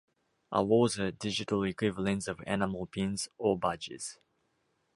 Awards are digital equivalents of enamel pins or badges.